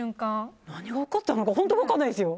何が起こったのか本当に分からないんですよ。